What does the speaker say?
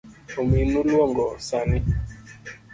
Ominu luongi sani.